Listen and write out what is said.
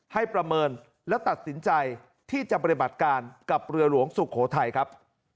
ประเมินและตัดสินใจที่จะปฏิบัติการกับเรือหลวงสุโขทัยครับ